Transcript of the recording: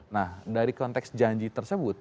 nah dari konteks janji tersebut